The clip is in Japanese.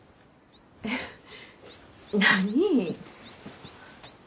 えっ何？